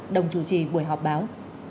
đồng chủ trì buổi họp báo